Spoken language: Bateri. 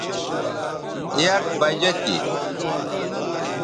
یک بجہ تھی